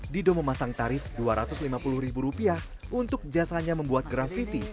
dido memasang tarif rp dua ratus lima puluh ribu rupiah untuk jasanya membuat grafiti